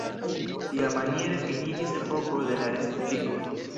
Tiamaniere finiĝis epoko de la respubliko.